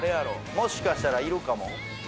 もしかしたらいるかも？